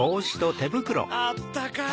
あったかい！